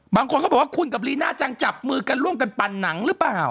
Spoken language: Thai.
บางคนก็บอกว่าคุณกับลีน่าจังจับมือกันร่วมกันปั่นหนังหรือเปล่า